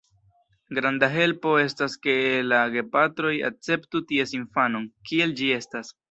Granda helpo estas, ke la gepatroj akceptu ties infanon, kiel ĝi estas.